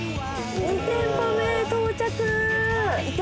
２店舗目到着。